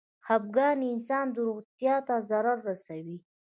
خپګان انسان د روغتيا ته ضرر رسوي.